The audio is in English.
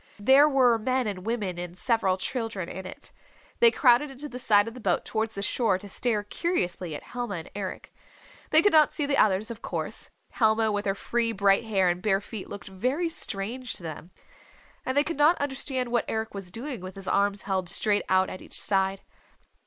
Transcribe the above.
There were men and women and several children in it. They crowded into the side of the boat towards the shore to stare curiously at Helma and Eric. They could not see the others, of course. Helma with her free, bright hair and bare feet looked very strange to them. And they could not understand what Eric was doing with his arms held straight out at each side.